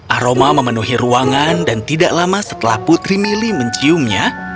aroma memenuhi ruangan dan tidak lama setelah putri milly menciumnya